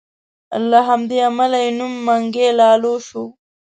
له همدې امله یې نوم منګی لالو شو.